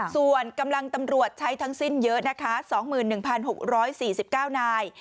ส่วนกำลังตำรวจใช้ทั้งสิ้นเยอะนะคะ๒๑๖๔๙นาย